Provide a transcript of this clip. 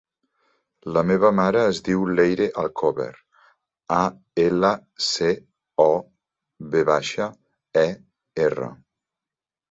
La meva mare es diu Leire Alcover: a, ela, ce, o, ve baixa, e, erra.